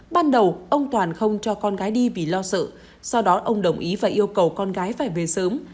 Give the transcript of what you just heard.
ban đầu ông toàn không cho con gái đi vì lo sợ sau đó ông đồng ý và yêu cầu con gái phải về sớm